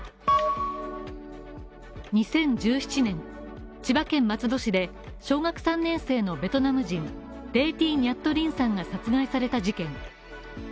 ２０１７年千葉県松戸市で小学３年生のベトナム人レェ・ティ・ニャット・リンさんが殺害された事件。